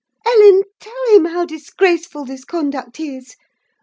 Ellen, tell him how disgraceful this conduct is.